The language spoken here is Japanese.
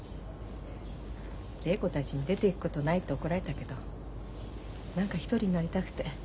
礼子たちに出ていくことないって怒られたけど何か一人になりたくて。